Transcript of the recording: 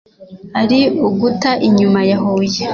ari uguta inyuma ya huye